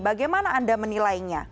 bagaimana anda menilainya